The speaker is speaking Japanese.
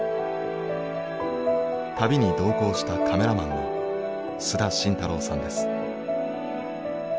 旅に同行したカメラマンの須田慎太郎さんです。